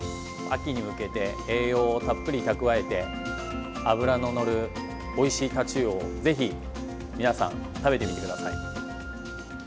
秋に向けて栄養をたっぷり蓄えて脂ののる、おいしいタチウオをぜひ皆さん食べてみてください。